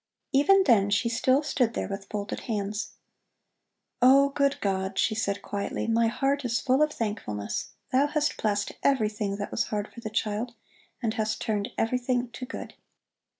Even then she still stood there with folded hands. "Oh, good God," she said quietly, "my heart is full of thankfulness. Thou hast blessed everything that was hard for the child, and hast turned everything to good."